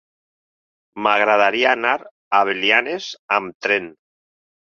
M'agradaria anar a Belianes amb tren.